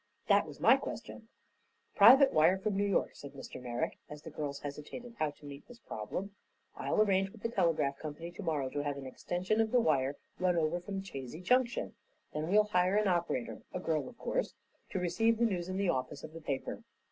"That was my question." "Private wire from New York," said Mr. Merrick, as the girls hesitated how to meet this problem. "I'll arrange with the telegraph company to morrow to have an extension of the wire run over from Chazy Junction. Then we'll hire an operator a girl, of course to receive the news in the office of the paper."